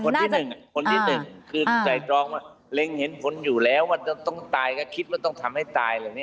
คนที่๑คือไตรองเห็นผลอยู่แล้วว่าต้องตายก็คิดว่าต้องทำให้ตาย